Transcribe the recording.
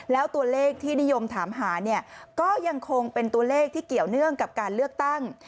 แล้วตัวเลขที่นิยมถามหาเนี่ยก็ยังคงเป็นตัวเลขที่เกี่ยวเนื่องกับการเลือกตั้ง